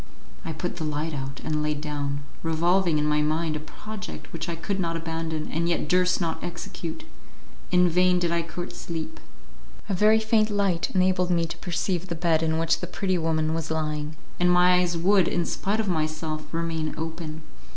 I put the light out and laid down, revolving in my mind a project which I could not abandon, and yet durst not execute. In vain did I court sleep. A very faint light enabled me to perceive the bed in which the pretty woman was lying, and my eyes would, in spite of myself, remain open.